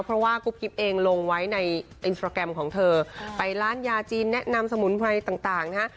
เพราะว่ากุ๊บกิ๊บเองลงไว้ในอินสตราแกรมของเธอไปร้านยาจีนแนะนำสมุนไพรต่างนะฮะ